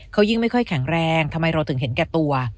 เขายิ่งไม่ค่อยแข็งแรงทำไมเราถึงเห็นแก่ตัว